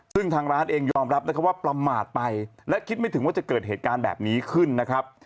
ซึ่งทางร้านเองยอมรับนะครับว่าประมาทไปและคิดไม่ถึงว่าจะเกิดเหตุการณ์แบบนี้ขึ้นนะครับ